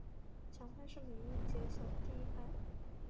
强拍是每小节第一拍。